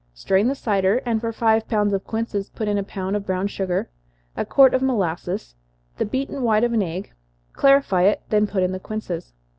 Strain the cider, and for five pounds of quinces put in a pound of brown sugar, a quart of molasses, the beaten white of an egg clarify it, then put in the quinces.